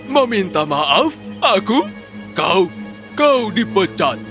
meminta maaf aku kau kau dipecat